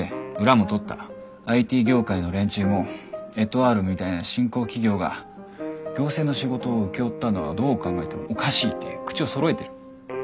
ＩＴ業界の連中もエトワールみたいな新興企業が行政の仕事を請け負ったのはどう考えてもおかしいって口をそろえてる。